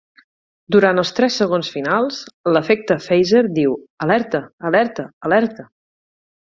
Durant els tres segons finals, l'efecte phaser diu "Alerta, alerta, alerta".